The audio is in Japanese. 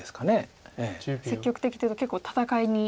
積極的というと結構戦いに。